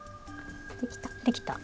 できた！